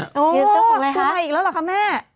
พรีเซนเตอร์ของอะไรฮะโอ้ตัวไหนอีกแล้วหรอค่ะแม่